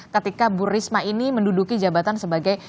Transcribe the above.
ketika bu risma ini menduduki jabatan sebagai